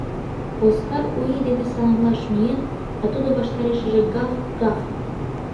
Оскар У ий дене саламлаш миен, а тудо ваштарешыже — гав!гав!